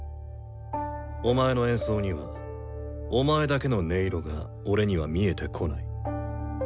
お前の演奏にはお前だけの音色が俺には見えてこない。